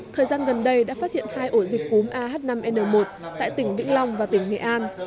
thời gian gần đây đã phát hiện hai ổ dịch cúm ah năm n một tại tỉnh vĩnh long và tỉnh nghệ an